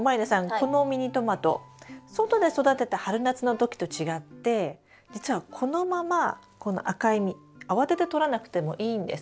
このミニトマト外で育てた春夏の時と違って実はこのままこの赤い実慌ててとらなくてもいいんです。